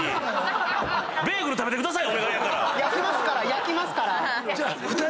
焼きますから。